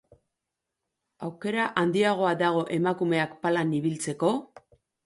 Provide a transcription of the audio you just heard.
Aukera handiagoa dago emakumeak palan ibiltzeko?